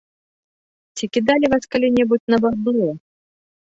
Ці кідалі вас калі-небудзь на бабло?